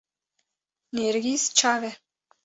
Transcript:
nêrgîz çav e